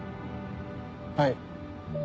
はい。